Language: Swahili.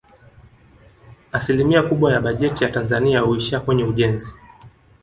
Asilimia kubwa ya bajeti ya Tanzania huishia kwenye ujenzi